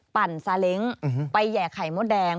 ปั่นซาเล้งไปแห่ไข่มดแดง